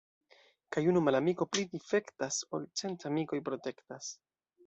Kaj unu malamiko pli difektas, ol cent amikoj protektas.